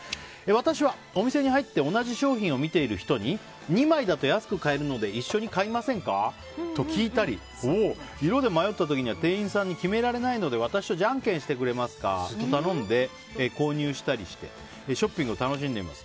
私はお店に入って同じ商品を見ている人に２枚だと安く買えるので一緒に買いませんか？と聞いたり色で迷った時には店員さんに決められないので私とじゃんけんしませんかと頼んで、購入したりしてショッピングを楽しんでいます。